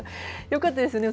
よかったですね。